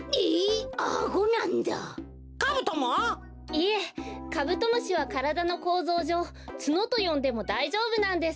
いえカブトムシはからだのこうぞうじょうツノとよんでもだいじょうぶなんです。